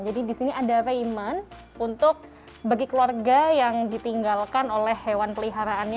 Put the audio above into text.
jadi di sini ada raiment untuk bagi keluarga yang ditinggalkan oleh hewan peliharaan